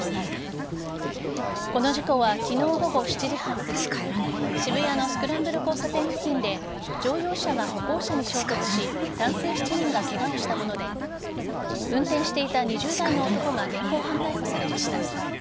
この事故は昨日午後７時半すぎ渋谷のスクランブル交差点付近で乗用車が歩行者に衝突し男性７人がケガをしたもので運転していた２０代の男が現行犯逮捕されました。